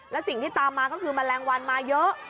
และสิ่งที่ตามมาก็คือแมลงวันมาเยอะ